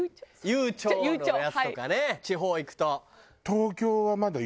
ゆうちょのやつとかね地方行くと。